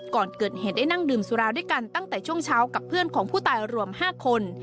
ก่อนเกิดเหตุได้นั่งดื่มสุราด้วยกันตั้งแต่ช่วงเช้ากับเพื่อนของผู้ตายรวม๕คน